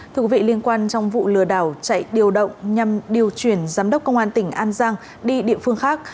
thưa quý vị liên quan trong vụ lừa đảo chạy điều động nhằm điều chuyển giám đốc công an tỉnh an giang đi địa phương khác